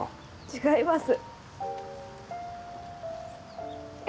違います。